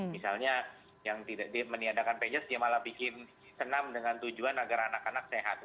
misalnya yang tidak meniadakan pajas dia malah bikin senam dengan tujuan agar anak anak sehat